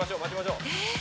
えっ？